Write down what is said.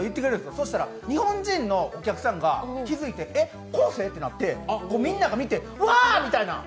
そうしたら、日本人のお客さんが気づいて、「えっ、昴生？」ってなって、みんながワーッて。